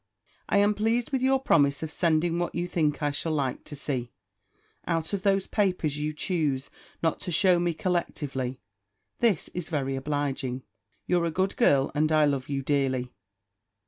I am pleased with your promise of sending what you think I shall like to see, out of those papers you choose not to shew me collectively: this is very obliging. You're a good girl; and I love you dearly.